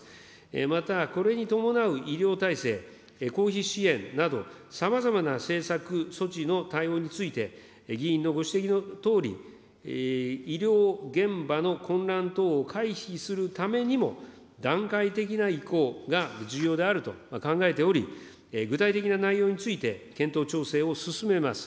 またこれに伴う医療体制、公費支援など、さまざまな政策措置の対応について、議員のご指摘のとおり、医療現場の混乱等を回避するためにも、段階的な移行が重要であると考えており、具体的な内容について検討、調整を進めます。